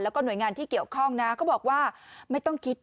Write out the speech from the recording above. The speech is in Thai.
แล้วก็หน่วยงานที่เกี่ยวข้องนะเขาบอกว่าไม่ต้องคิด